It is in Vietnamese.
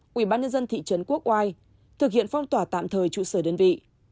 quỹ ban nhân dân thị trấn quốc oai thực hiện phong tỏa tạm thời trụ sở đơn vị